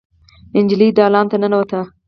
نجلۍ دالان ته ننوته.